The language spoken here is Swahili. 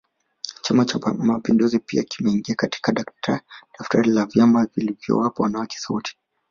Chama Cha mapinduzi pia kimeingia katika daftari la vyama vilivyowapa wanawake sauti